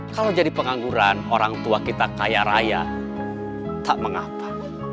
kalau jadi pengangguran orang tua kita kaya raya tak mengapa